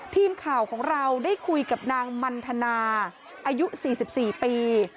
ทีมข่าวของเราได้คุยกับนางมันทนาอายุ๔๔ปี